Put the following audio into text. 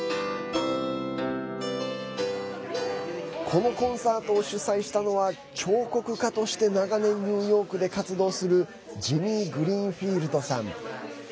このコンサートを主催したのは彫刻家として長年ニューヨークで活動するジミー・グリーンフィールドさん。